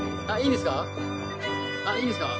あっいいんですか？